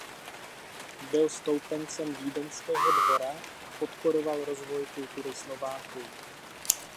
Byl stoupencem vídeňského dvora a podporoval rozvoj kultury Slováků.